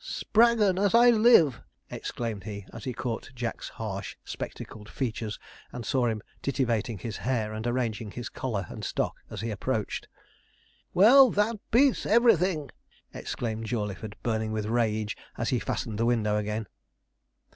'Spraggon, as I live!' exclaimed he, as he caught Jack's harsh, spectacled features, and saw him titivating his hair and arranging his collar and stock as he approached. 'Well, that beats everything!' exclaimed Jawleyford, burning with rage as he fastened the window again.